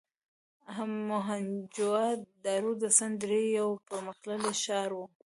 موهنچودارو د سند درې یو پرمختللی ښار و.